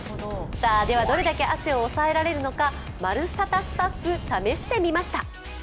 では、どれだけ汗を抑えられるのか「まるサタ」スタッフ、試してみました。